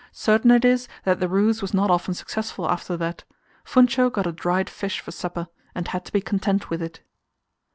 Certain it is that the ruse was not often successful after that. Funcho got a dried fish for supper, and had to be content with it.